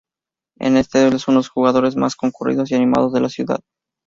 Este es uno de los lugares más concurridos y animados de la ciudad.